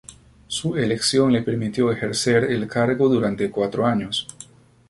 Su elección le permitió ejercer el cargo durante cuatro años.